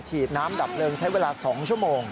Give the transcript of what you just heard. ฉีดน้ำดับเพลิงใช้เวลา๒ชั่วโมง